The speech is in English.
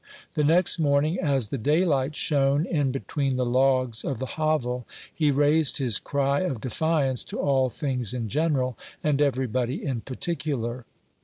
The next morning, as the daylight shone in between the logs of the hovel, he raised his cry of defiance to all things in general, and everybody in particular.